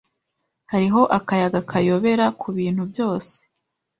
Hariho akayaga kayobera kubintu byose.